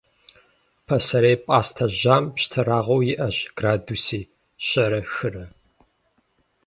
Пасэрей пӏастэ жьам пщтырагъыу иӏэщ градуси щэрэ хырэ.